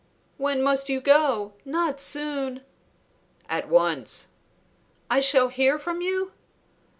"When must you go? Not soon." "At once." "I shall hear from you?"